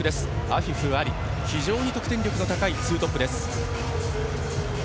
アフィフ、アリ非常に得点力の高いツートップです。